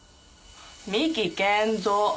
三木賢三。